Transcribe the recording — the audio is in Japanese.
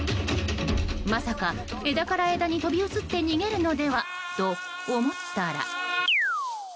まさか枝から枝に飛び移って逃げるのではと思ったら。